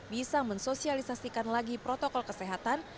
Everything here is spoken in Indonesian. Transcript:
bisa mensosialisasikan lagi protokol kesehatan